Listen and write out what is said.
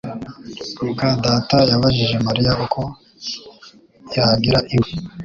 muka data yabajije Mariya uko yagera iwe